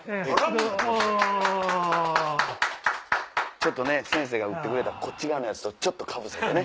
ちょっと先生が打ってくれたこっち側のやつとかぶせてね。